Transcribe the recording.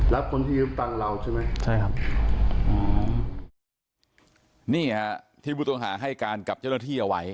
คนที่ยืมตังค์เราใช่ไหมใช่ครับอืมนี่ฮะที่ผู้ต้องหาให้การกับเจ้าหน้าที่เอาไว้